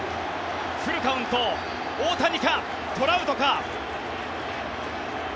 フルカウント大谷か、トラウトか。